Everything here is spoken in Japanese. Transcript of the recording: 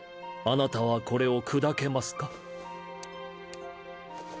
あなたはこれを砕けますか？